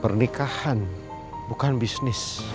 pernikahan bukan bisnis